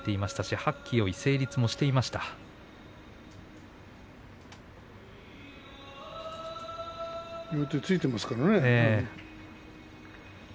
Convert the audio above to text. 両手をついていますからね。